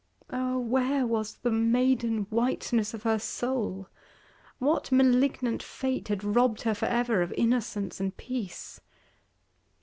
Oh! where was the maiden whiteness of her soul? What malignant fate had robbed her for ever of innocence and peace?